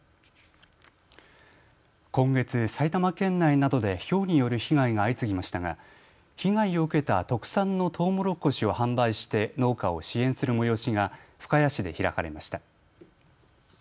今月、埼玉県内などでひょうによる被害が相次ぎましたが被害を受けた特産のとうもろこしを販売して農家を支援する催しが深谷市で開かれました。